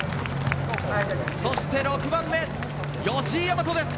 そして６番目、吉居大和です。